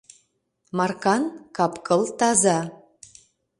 Маркан кап-кыл таза.